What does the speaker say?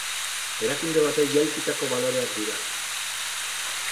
Erakunde batek jaulkitako baloreak dira.